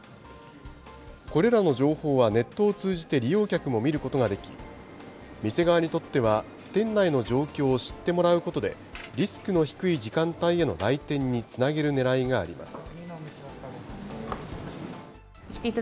これらの情報はネットを通じて利用客も見ることができ、店側にとっては、店内の状況を知ってもらうことで、リスクの低い時間帯への来店につなげるねらいがあります。